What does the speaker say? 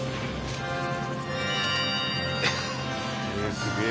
すげえ。